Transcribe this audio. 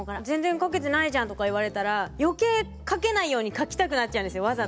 全然書けてないじゃんとか言われたら余計書けないように書きたくなっちゃうんですよ。